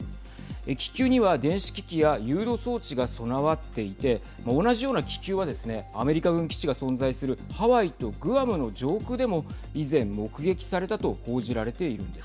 気球には電子機器や誘導装置が備わっていて同じような気球はですねアメリカ軍基地が存在するハワイとグアムの上空でも以前目撃されたと報じられているんです。